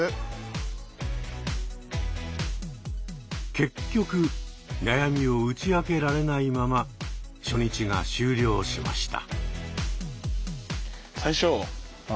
結局悩みを打ち明けられないまま初日が終了しました。